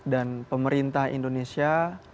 dan pemerintah indonesia